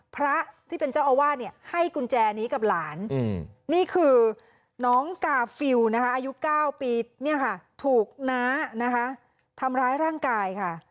พระที่เป็นเจ้าอาวาสให้กุญแจนี้กับหลานนี่คือน้องกาฟิวอายุ๙ปีถูกน้าทำร้ายร่างกายค่ะ